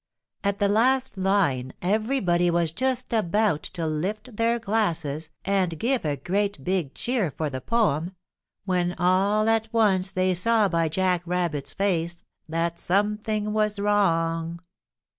] At the last line everybody was just about to lift their glasses and give a great big cheer for the poem, when all at once they saw by Jack Rabbit's face that something was wrong.